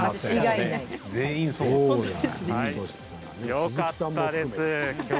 よかったです。